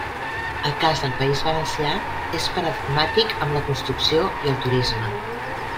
El cas del País Valencià és paradigmàtic amb la construcció i el turisme.